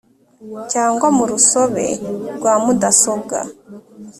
Cyangwa mu rusobe rwa mudasobwa